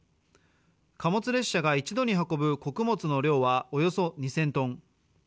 貨物列車が一度に運ぶ穀物の量はおよそ２０００トン。